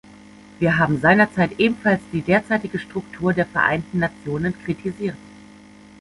Wir haben seinerzeit ebenfalls die derzeitige Struktur der Vereinten Nationen kritisiert.